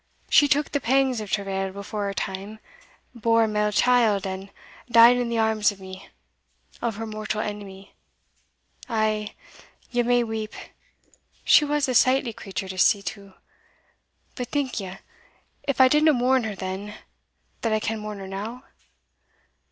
she took the pangs of travail before her time, bore a male child, and died in the arms of me of her mortal enemy! Ay, ye may weep she was a sightly creature to see to but think ye, if I didna mourn her then, that I can mourn her now?